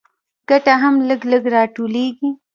ګټه هم لږ لږ راټولېږي